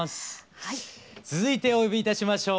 続いてお呼びいたしましょう。